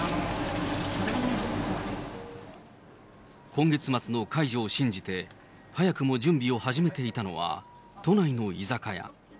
今月末の解除を信じて、早くも準備を始めていたのは、都内の居酒屋。